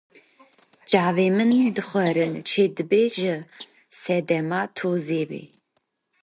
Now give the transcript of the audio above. Cavên min dixwarin çêdibe ji sedema tozê be